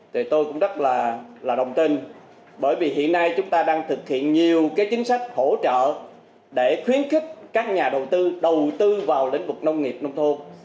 thì tôi cũng rất là đồng tình bởi vì hiện nay chúng ta đang thực hiện nhiều cái chính sách hỗ trợ để khuyến khích các nhà đầu tư đầu tư vào lĩnh vực nông nghiệp nông thôn